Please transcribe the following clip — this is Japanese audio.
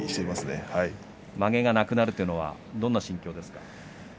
まげがなくなるというのはどんな心境ですか？